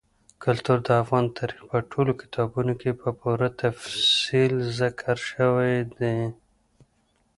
کلتور د افغان تاریخ په ټولو کتابونو کې په پوره تفصیل ذکر شوی دي.